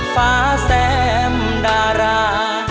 ฟ้าแซมดารา